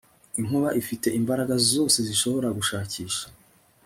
inkuba ifite imbaraga zose zishobora gushakisha